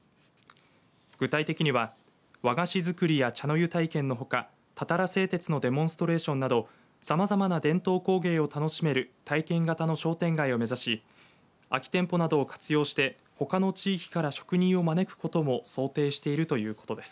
具体的には和菓子づくりや茶の湯体験のほかたたら製鉄のデモンストレーションなどさまざまな伝統工芸を楽しめる体験型の商店街を目指し空き店舗などを活用してほかの地域から職人を招くことも想定しているということです。